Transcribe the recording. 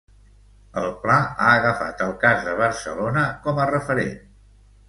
El pla ha agafat el cas de Barcelona com a referent.